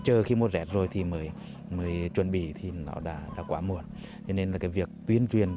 chơi khi mốt rét rồi thì mới chuẩn bị thì nó đã quá muộn nên là cái việc tuyên truyền